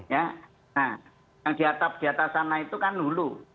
nah yang di atap atap sana itu kan lulu